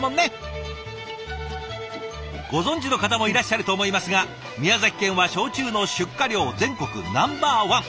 ご存じの方もいらっしゃると思いますが宮崎県は焼酎の出荷量全国ナンバーワン！